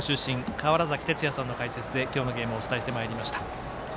川原崎哲也さんの解説で今日のゲームお伝えしてまいりました。